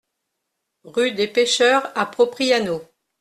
Rue des Pecheurs à Propriano